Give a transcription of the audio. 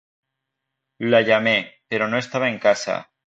La llamé, pero no estaba en casa.